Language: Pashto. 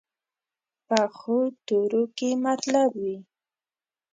پخو تورو کې مطلب وي